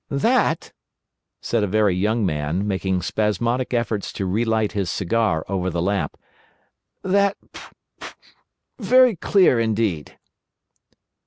"That," said a very young man, making spasmodic efforts to relight his cigar over the lamp; "that ... very clear indeed."